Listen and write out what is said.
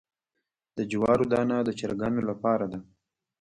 د جوارو دانه د چرګانو لپاره ده.